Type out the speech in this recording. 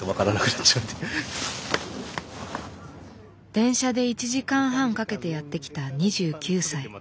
電車で１時間半かけてやって来た２９歳。